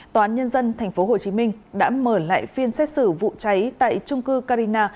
toán nhân dân tp hcm đã mở lại phiên xét xử vụ cháy tại trung cư carina